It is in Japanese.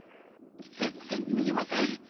全然見えません。